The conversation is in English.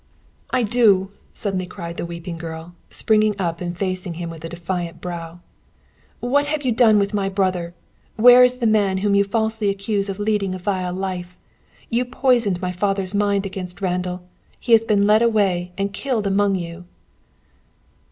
"I do," suddenly cried the weeping girl, springing up and facing him with a defiant brow. "What have you done with my brother? Where is the man whom you falsely accused of leading a vile life? You poisoned my father's mind against Randall. He has been led away and killed among you."